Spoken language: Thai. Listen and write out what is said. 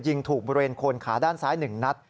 ยิงถูกบริเวณโคนขาด้านซ้าย๑นัด